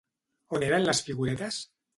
On eren les figuretes?